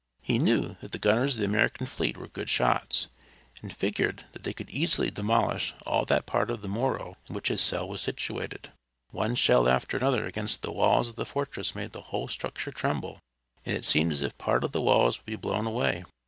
He knew that the gunners of the American fleet were good shots, and figured that they could easily demolish all that part of the Morro in which his cell was situated. One shell after another against the walls of the fortress made the whole structure tremble, and it seemed as if part of the walls would be blown away.